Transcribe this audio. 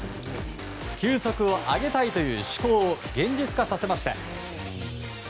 球速を上げたいという思考を現実化させました。